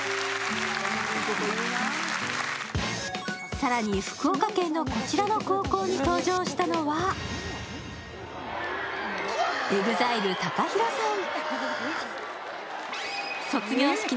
更に、福岡県のこちらの高校に登場したのはＥＸＩＬＥ・ＴＡＫＡＨＩＲＯさん。